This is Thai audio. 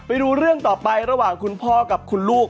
ไปดูเรื่องต่อไประหว่างคุณพ่อกับคุณลูก